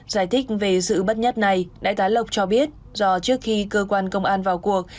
giải thích về sự bất nhất này đại tá lộc cho biết do trước khi cơ quan công an vào cuộc